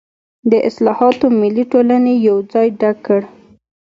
د اصلاحاتو ملي ټولنې یې ځای ډک کړ.